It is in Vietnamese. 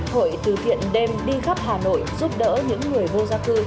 hội từ thiện đêm đi khắp hà nội giúp đỡ những người vô gia cư